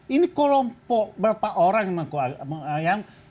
ini kelompok berapa orang yang